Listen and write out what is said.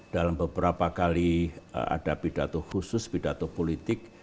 dalam beberapa kali ada pidato khusus pidato politik